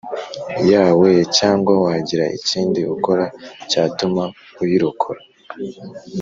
yawe cyangwa wagira ikindi ukora cyatuma uyirokora